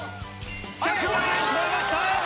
１００万円超えました。